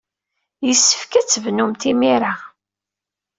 Yessefk ad tebdumt imir-a.